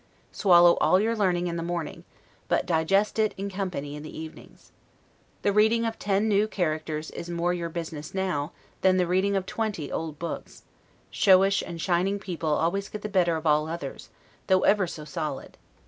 Swallow all your learning in the morning, but digest it in company in the evenings. The reading of ten new characters is more your business now, than the reading of twenty old books; showish and shining people always get the better of all others, though ever so solid.